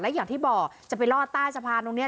อย่างที่บอกจะไปลอดใต้สะพานตรงนี้